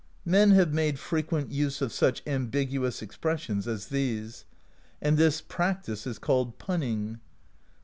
''Men have made frequent use of such ambiguous ex pressions as these; and this practice is called punning.